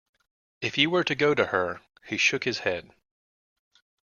"If you were to go to her;" He shook his head.